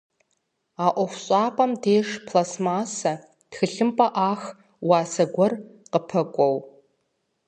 А ӏуэхущӏапӏэм абдж, пластмассэ, тхылъымпӏэ ӏах, уасэ гуэр къыпэкӏуэу.